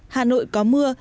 hà nội có mưa